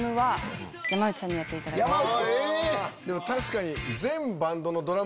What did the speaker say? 確かに。